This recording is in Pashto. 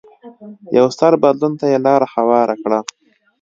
یو ستر بدلون ته یې لار هواره کړه.